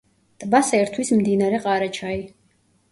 ტბას ერთვის მდინარე ყარაჩაი.